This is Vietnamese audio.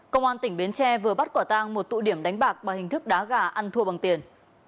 công an tỉnh bến tre vừa bắt quả tang một tụ điểm đánh bạc bằng hình thức đá gà ăn thua bằng tiền